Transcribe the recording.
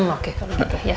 oke kalau gitu